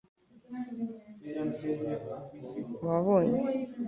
wabonye